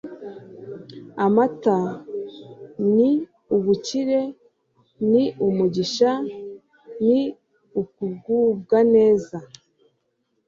amata ni ubukire, ni umugisha, ni ukubwubwa neza